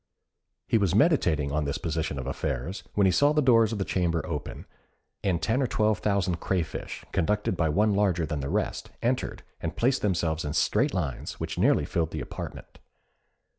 He was meditating on this position of affairs, when he saw the doors of the chamber open, and ten or twelve thousand crayfish, conducted by one larger than the rest, entered, and placed themselves in straight lines, which nearly filled the apartment.